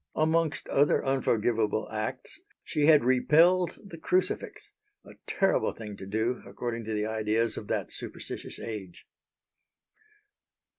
Amongst other unforgivable acts she had repelled the Crucifix a terrible thing to do according to the ideas of that superstitious age.